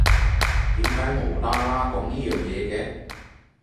點解無啦啦講呢樣嘢嘅？